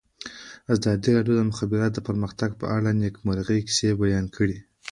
ازادي راډیو د د مخابراتو پرمختګ په اړه د نېکمرغۍ کیسې بیان کړې.